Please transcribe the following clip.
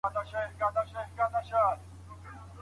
دولتي پوهنتون په غلطه توګه نه تشریح کیږي.